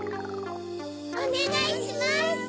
おねがいします！